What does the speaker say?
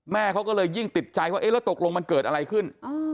เขาก็เลยยิ่งติดใจว่าเอ๊ะแล้วตกลงมันเกิดอะไรขึ้น